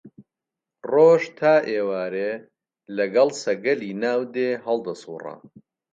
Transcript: ڕۆژ تا ئێوارێ لەگەڵ سەگەلی ناو دێ هەڵدەسووڕا